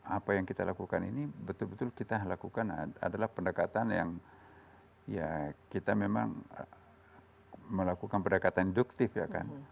apa yang kita lakukan ini betul betul kita lakukan adalah pendekatan yang ya kita memang melakukan pendekatan induktif ya kan